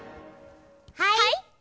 はい？